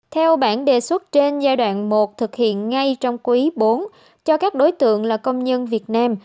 theo bản đề xuất trên giai đoạn một thực hiện ngay trong quý bốn cho các đối tượng là công nhân việt nam